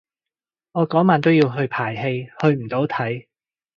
我嗰晚都要排戲去唔到睇